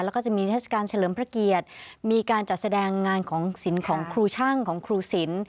แล้วก็จะมีเทศกาลเฉลิมพระเกียรติมีการจัดแสดงงานของศิลป์ของครูช่างของครูสิน